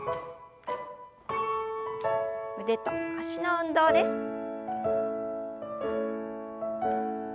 腕と脚の運動です。